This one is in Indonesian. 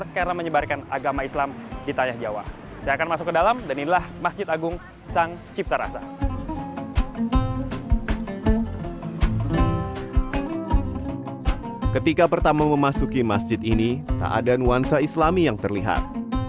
ketika pertama memasuki masjid ini tak ada nuansa islami yang terlihat